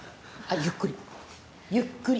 ゆっくりゆっくり。